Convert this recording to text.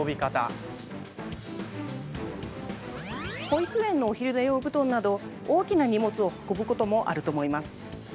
保育園のお昼寝用布団など大きな荷物を運ぶこともあると思います。